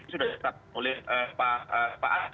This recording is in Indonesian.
sudah tetap oleh pak adi